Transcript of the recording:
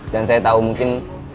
dan saya tau mungkin